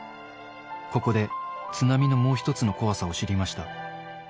ここで津波のもう一つの怖さを知りました。